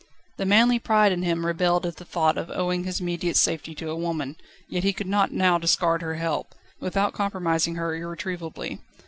The manly pride in him rebelled at the thought of owing his immediate safety to a woman, yet he could not now discard her help, without compromising her irretrievably.